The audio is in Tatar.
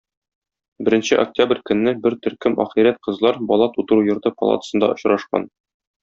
Беренче октябрь көнне бер төркем ахирәт кызлар бала тудыру йорты палатасында очрашкан.